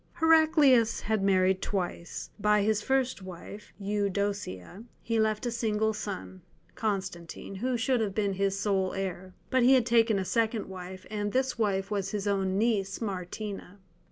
Heraclius had married twice; by his first wife, Eudocia, he left a single son, Constantine, who should have been his sole heir. But he had taken a second wife, and this wife was his own niece Martina.